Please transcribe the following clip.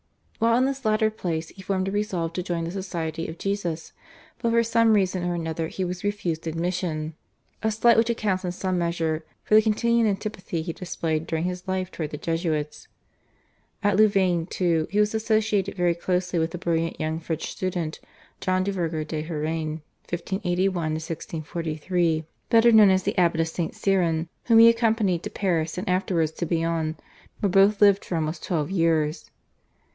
While in this latter place he formed a resolve to join the Society of Jesus, but for some reason or another he was refused admission, a slight which accounts in some measure for the continued antipathy he displayed during his life towards the Jesuits. At Louvain, too, he was associated very closely with a brilliant young French student, John du Verger de Hauranne (1581 1643), better known as the Abbot of St. Cyran, whom he accompanied to Paris and afterwards to Bayonne, where both lived for almost twelve years.